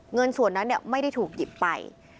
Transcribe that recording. เงินส่วนนั้นไม่ได้ถูกหยิบไป